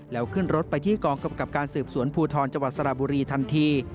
แล้วขึ้นรถไปที่กองกำกับการสืบสวนภูทรจังหวัดสระบุรีทันที